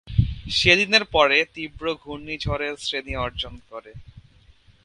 সেদিনের পরে তীব্র ঘূর্ণিঝড়ের শ্রেণি অর্জন করে।